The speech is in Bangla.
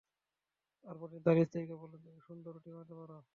তারপর তিনি তার স্ত্রীকে বললেন, তুমি সুন্দর রুটি বানাতে পার।